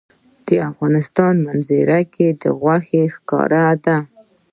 د افغانستان په منظره کې غوښې ښکاره ده.